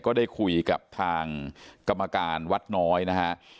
ก็ได้คุยกับทางกรรมการวัดน้อยนะฮะ